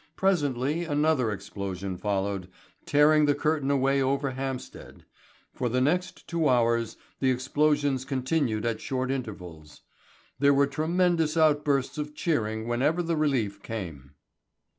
Presently another explosion followed, tearing the curtain away over Hampstead; for the next two hours the explosions continued at short intervals. There were tremendous outbursts of cheering whenever the relief came.